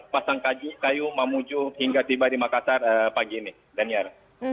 pasangkayu mamuju hingga tiba di makassar pagi ini daniar